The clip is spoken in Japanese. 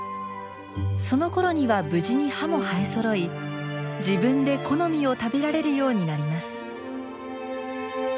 そのころには無事に歯も生えそろい自分で木の実を食べられるようになります。